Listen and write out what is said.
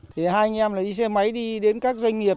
hai anh em đi xe máy đi đến các doanh nghiệp